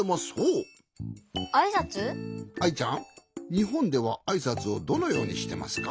にほんではあいさつをどのようにしてますか？